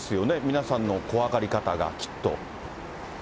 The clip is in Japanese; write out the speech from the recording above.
皆さんの怖がり方が、きっと。